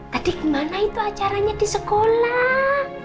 tadi gimana itu acaranya di sekolah